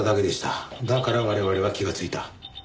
だから我々は気がついた。